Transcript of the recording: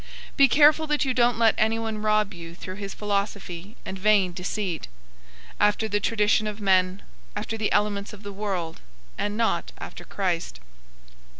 002:008 Be careful that you don't let anyone rob you through his philosophy and vain deceit, after the tradition of men, after the elements of the world, and not after Christ.